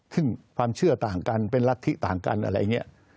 ซึ่งความเชื่อต่างกันเป็นลักษณ์ต่างกันอะไรเงี้ย